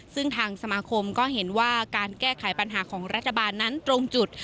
ซึ่งทางสมาคมก็เห็นว่าการแก้ไขปัญหาของรัฐบาลนั้นตรงจุด